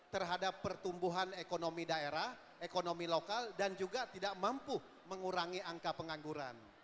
terhadap pertumbuhan ekonomi daerah ekonomi lokal dan juga tidak mampu mengurangi angka pengangguran